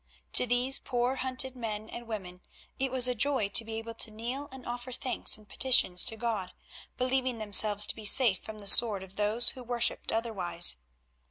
To these poor hunted men and women it was a joy to be able to kneel and offer thanks and petitions to God, believing themselves to be safe from the sword of those who worshipped otherwise.